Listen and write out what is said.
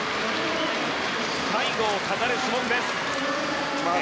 最後を飾る種目です。